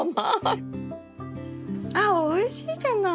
あっおいしいじゃない。